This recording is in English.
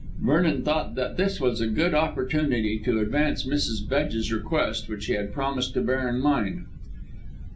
Vernon thought that this was a good opportunity to advance Mrs. Bedge's request which he had promised to bear in mind.